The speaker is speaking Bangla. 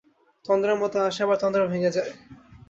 তন্দ্রামতো আসে আবার তন্দ্রা ভেঙ্গে যায়।